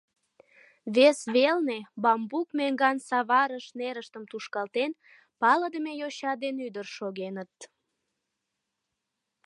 Вес велне, бамбук меҥган саварыш нерыштым тушкалтен, палыдыме йоча ден ӱдыр шогеныт.